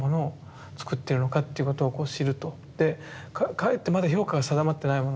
かえってまだ評価が定まってないもの